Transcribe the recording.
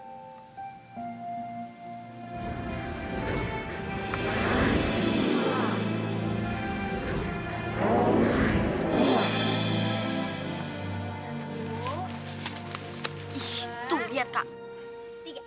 satu dua tiga